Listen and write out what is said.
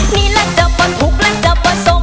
นี่แหละจะต้องถูกหลักจะบอโสก